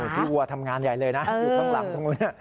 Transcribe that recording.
พี่วัวทำงานใหญ่เลยนะอยู่ข้างหลังตรงนี้